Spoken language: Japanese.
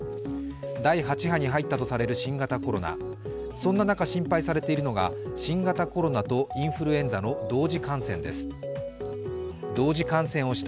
第８波に入ったとされる新型コロナそんな中、心配されているのが新型コロナとインフルエンザの同時感染です。